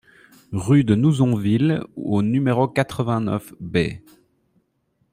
Rue de Nouzonville au numéro quatre-vingt-neuf B